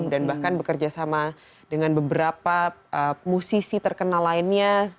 dan bahkan bekerja sama dengan beberapa musisi terkenal lainnya